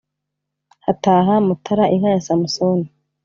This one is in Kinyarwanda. hataha mutara inka ya musoni